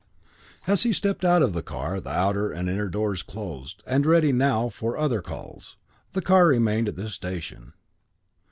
As he stepped out of the car the outer and inner doors closed, and, ready now for other calls, the car remained at this station.